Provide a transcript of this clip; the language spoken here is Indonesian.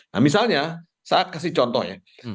nah misalnya saya kasih contoh ya